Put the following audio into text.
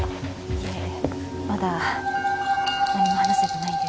いえまだ何も話せてないです。